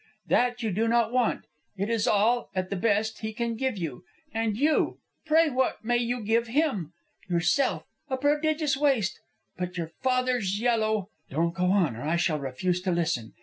That you do not want. It is all, at the best, he can give you. And you, pray what may you give him? Yourself? A prodigious waste! But your father's yellow " "Don't go on, or I shall refuse to listen.